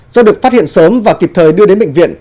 do được phát hiện sớm và kịp thời đưa đến bệnh viện